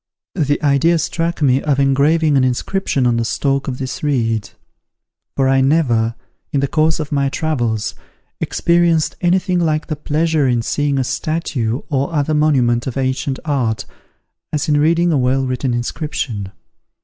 The idea struck me of engraving an inscription on the stalk of this reed; for I never, in the course of my travels, experienced any thing like the pleasure in seeing a statue or other monument of ancient art, as in reading a well written inscription.